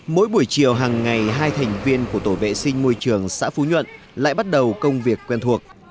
mỗi buổi chiều hàng ngày hai thành viên của tổ vệ sinh môi trường xã phú nhuận lại bắt đầu công việc quen thuộc